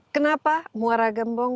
kenapa muara gembong